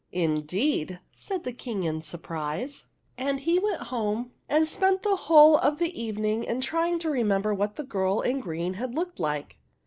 Indeed !" said the King, in surprise ; and he went home and spent the whole of the evening in trying to remember what the girl in green had looked like.